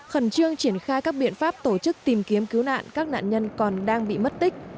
khẩn trương triển khai các biện pháp tổ chức tìm kiếm cứu nạn các nạn nhân còn đang bị mất tích